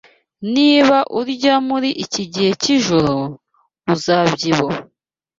Niba urya muri iki gihe cyijoro, uzabyibuha.